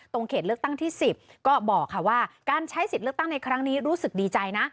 เขตเลือกตั้งที่๑๐ก็บอกค่ะว่าการใช้สิทธิ์เลือกตั้งในครั้งนี้รู้สึกดีใจนะ